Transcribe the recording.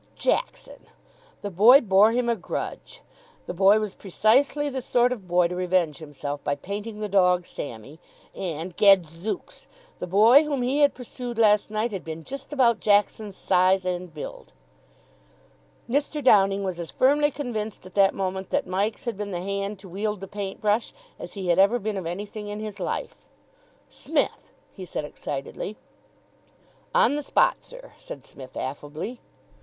Jackson! The boy bore him a grudge. The boy was precisely the sort of boy to revenge himself by painting the dog Sammy. And, gadzooks! The boy whom he had pursued last night had been just about Jackson's size and build! Mr. Downing was as firmly convinced at that moment that Mike's had been the hand to wield the paint brush as he had ever been of anything in his life. "Smith!" he said excitedly. "On the spot, sir," said Psmith affably.